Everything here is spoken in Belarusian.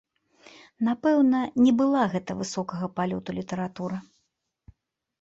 Напэўна не была гэта высокага палёту літаратура.